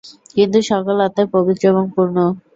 কিন্তু সকল আত্মাই পবিত্র এবং পূর্ণ।